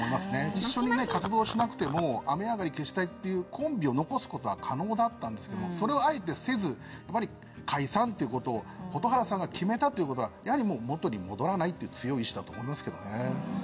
一緒に活動をしなくても雨上がり決死隊っていうコンビを残すことは可能だったんですけどそれをあえてせず解散っていうことを蛍原さんが決めたっていうことはもう元に戻らないっていう強い意思だと思いますけどね。